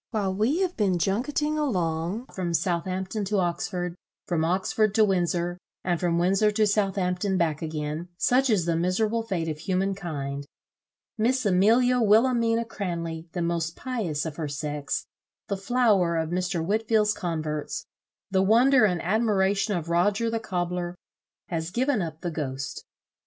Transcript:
while we have been junketting along from Southampton to Oxford, from Oxford to Windsor, and from Windsor to Southampton back again, such is the miserable fate of human kind! Miss Amelia Wilhelmina Cranley, the most pious of her sex, the flower of Mr. Whitfield's converts, the wonder and admiration of Roger the cobler, has given up the ghost.